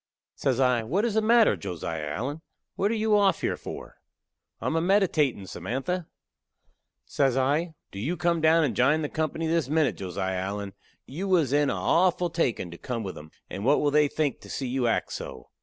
Says I, "What is the matter, Josiah Allen? What are you off here for?" "I am a meditatin', Samantha." Says I, "Do you come down and jine the company this minute, Josiah Allen. You was in a awful takin' to come with 'em, and what will they think to see you act so?"